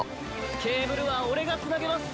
「ケーブルは俺がつなげます」